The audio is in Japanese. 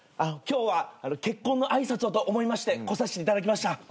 今日は結婚の挨拶をと思いまして来させていただきました。